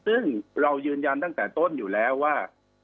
ซึ่งเรายืนยันตั้งแต่ต้นอยู่แล้วว่า